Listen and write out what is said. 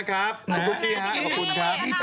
โอเคครับผมครับขอบคุณนะครับคุณกุ๊กกี้ครับขอบคุณครับสวัสดีครับ